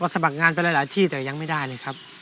สมัครงานไปหลายที่แต่ยังไม่ได้เลยครับ